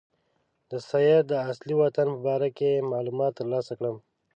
د سید د اصلي وطن په باره کې معلومات ترلاسه کړم.